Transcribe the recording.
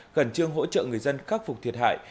khẩn trương hỗ trợ người dân khắc phục thiệt hại